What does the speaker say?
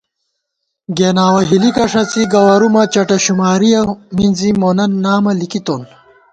گېناوَہ ہِلِکہ ݭَڅی گوَرُومہ څٹہ شُمارِیَہ مِنزی مونہ نامہ لِکِتون